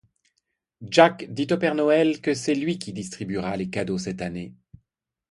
Jack dit au Père Noël que c'est lui qui distribuera les cadeaux cette année.